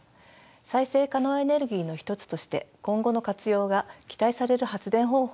再生可能エネルギーのひとつとして今後の活用が期待される発電方法です。